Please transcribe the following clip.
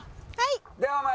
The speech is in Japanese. はい。